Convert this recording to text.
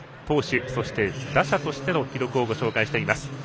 投手、そして打者としての記録をご紹介しています。